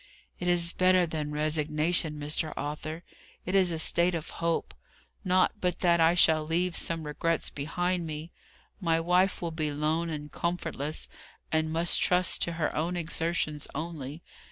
"It is better than resignation, Mr. Arthur, it is a state of hope. Not but that I shall leave some regrets behind me. My wife will be lone and comfortless, and must trust to her own exertions only.